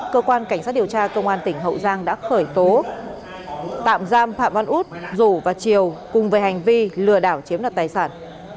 cơ quan cảnh sát điều tra công an tỉnh hậu giang đã khởi tố tạm giam phạm văn út dũ và triều cùng với hành vi lừa đảo chiếm đặt tài sản